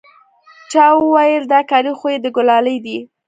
چا وويل دا كالي خو يې د ګلالي دي.